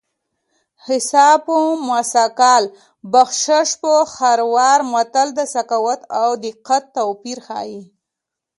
حساب په مثقال بخشش په خروار متل د سخاوت او دقت توپیر ښيي